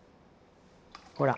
ほら。